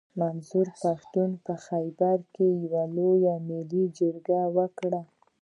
منظور پښتين په خېبر کښي يوه لويه ملي جرګه وکړه.